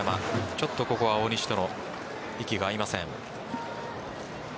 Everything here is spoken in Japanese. ちょっとここは大西との息が合いません。